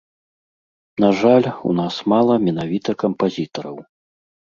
На жаль, у нас мала менавіта кампазітараў.